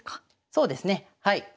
そうですねはい。